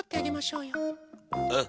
うん。